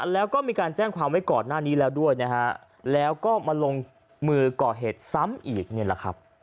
แล้วก็มีการแจ้งความไว้ก่อนหน้านี้แล้วด้วยนะฮะแล้วก็มาลงมือก่อเหตุซ้ำอีกนี่แหละครับ